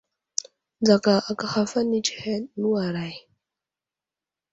Nzaka aka haf ane tsəheɗ, nəwuray !